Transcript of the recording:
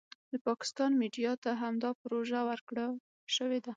د پاکستان میډیا ته همدا پروژه ورکړای شوې ده.